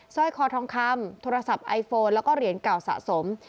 สร้อยคอทองคำโทรศัพท์ไอโฟนแล้วก็เหรียญเก่าสะสม